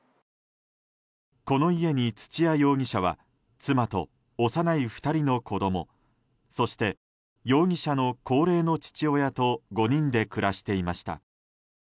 この家に土屋容疑者は妻と幼い２人の子供そして、容疑者の高齢の父親と５人で暮らしていました。